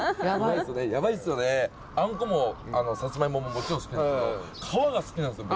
あんこもサツマイモももちろん好きなんですけど皮が好きなんですよ